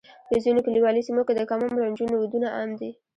په ځینو کلیوالي سیمو کې د کم عمره نجونو ودونه عام دي.